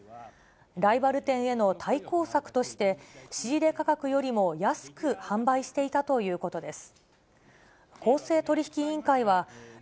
ライバル店への対抗策として、仕入れ価格よりも安く販売していたということです。